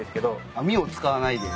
網を使わないで。